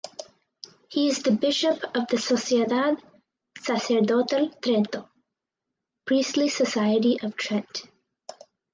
He is the bishop of the "Sociedad Sacerdotal Trento" (Priestly Society of Trent).